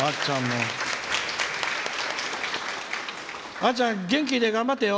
あっちゃん、元気で頑張ってよ！